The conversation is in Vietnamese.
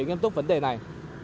nghiêm túc vấn đề này